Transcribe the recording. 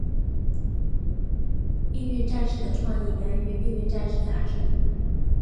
命运战士的创意源于命运战士杂志。